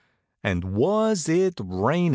And was it rainin'?